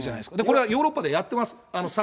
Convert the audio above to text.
これはヨーロッパでやってます。